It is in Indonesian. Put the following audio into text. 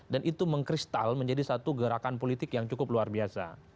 dan itu mengkristal menjadi satu gerakan politik yang cukup luar biasa